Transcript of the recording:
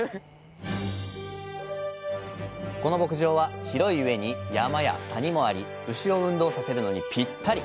この牧場は広いうえに山や谷もあり牛を運動させるのにピッタリ。